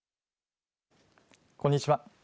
こんにちは。